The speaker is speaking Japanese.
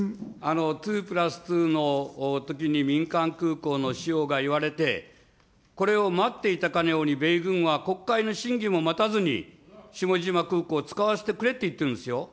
２プラス２のときに民間空港の使用が言われて、これを待っていたかのように、米軍は国会の審議も待たずに、下地島空港を使わせてくれって言ってるんですよ。